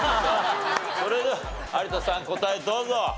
それでは有田さん答えどうそ。